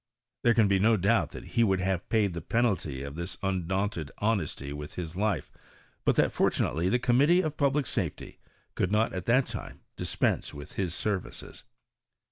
There can be no doubt that he would have paid the penalty of this undaunted honesty with his life, but that fortunately the Committee of Public Safety could not at that time dispense with his services.